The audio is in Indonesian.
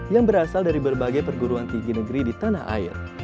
yang berasal dari berbagai perguruan tinggi negeri di tanah air